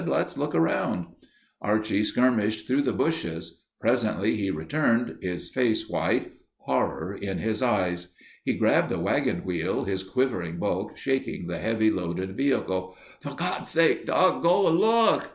"Let's look around." Archie skirmished through the bushes. Presently he returned, his face white, horror in his eyes. He grabbed the wagon wheel, his quivering bulk shaking the heavily loaded vehicle. "For God's sake, Doc. Go and look!"